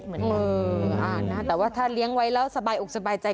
เหมือนเออนะแต่ว่าถ้าเลี้ยงไว้แล้วสบายอกสบายใจ